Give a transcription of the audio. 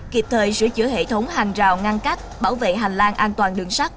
kịp thời sửa chữa hệ thống hành rào ngăn cách bảo vệ hành lang an toàn đường sát